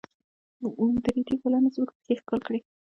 د ريدي ګلانو زموږ پښې ښکل کړې.